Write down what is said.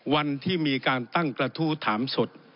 วันที่มีการตั้งกระทู้ถามสด